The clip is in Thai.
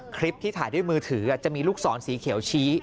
คลิปที่ถ่ายด้วยมือถือจะมีลูกศรสีเขียวชี้